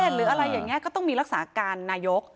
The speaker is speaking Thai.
หรืออะไรอย่างนี้ก็ต้องมีรักษาการนายก